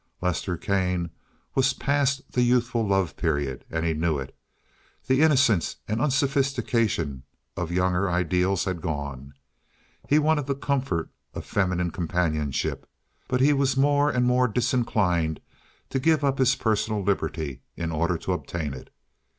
Lester Kane was past the youthful love period, and he knew it. The innocence and unsophistication of younger ideals had gone. He wanted the comfort of feminine companionship, but he was more and more disinclined to give up his personal liberty in order to obtain it.